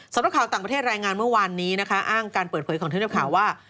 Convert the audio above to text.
สำหรับข่าวต่างประเทศรายงานเมื่อวานนี้นะคะอ้างการเปิดเผยของทีมข่าวว่า